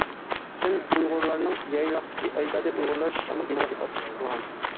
دىن ئۇيغۇرلارنىڭ يايلاقتىكى ئەجدادى ئۇيغۇرلار شامان دىنىغا ئېتىقاد قىلغان.